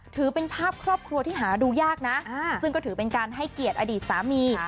ถือเป็นภาพครอบครัวที่หาดูยากนะซึ่งก็ถือเป็นการให้เกียรติอดีตสามี